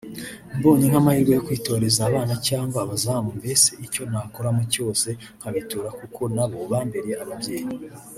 Mbonye nk’amahirwe yo kuyitoreza abana cyangwa abazamu mbese icyo nakoramo cyose nkabitura kuko nabo bambereye ababyeyi